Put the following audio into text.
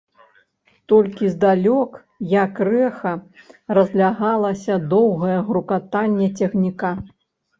Толькі здалёк, як рэха, разлягалася доўгае грукатанне цягніка.